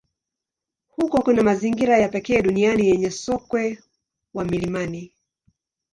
Huko kuna mazingira ya pekee duniani yenye sokwe wa milimani.